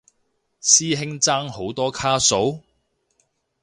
師兄爭好多卡數？